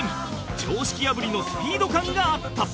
常識破りのスピード感があった